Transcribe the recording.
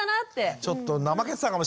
ちょっと怠けてたかもしんない。